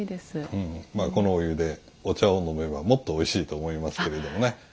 このお湯でお茶を飲めばもっとおいしいと思いますけれどもね。